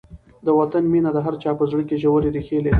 د وطن مینه د هر چا په زړه کې ژورې ریښې لري.